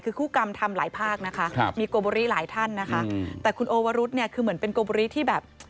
คือคู่กรรมทำหลายภาคนะคะครับมีโกโบริหลายท่านนะคะแต่คุณโอวรุษเนี่ยคือเหมือนเป็นโกโบริที่แบบ